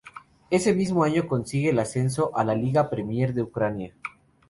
Ese mismo año consigue el ascenso a la Liga Premier de Ucrania.